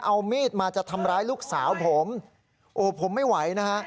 เอามีดมาจะทำร้ายลูกสาวผมโอ้ผมไม่ไหวนะฮะ